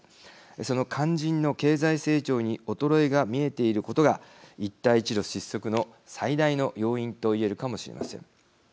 その肝心の経済成長に衰えが見えていることが一帯一路失速の最大の要因と言えるかもしれません。